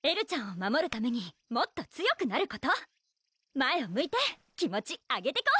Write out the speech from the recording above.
前を向いて気持ちアゲてこ！